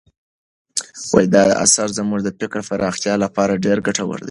دا اثر زموږ د فکري پراختیا لپاره ډېر ګټور دی.